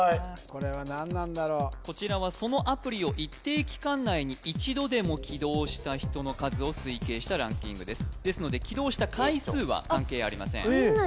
これは何なんだろこちらはそのアプリを一定期間内に一度でも起動した人の数を推計したランキングですですので起動した回数は関係ありません